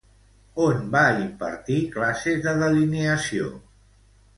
On va impartir classes de delineació?